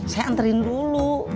saya anterin dulu